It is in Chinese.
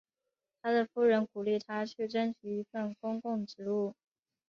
他的夫人鼓励他去争取一份公共职务。